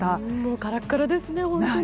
カラカラですね、本当に。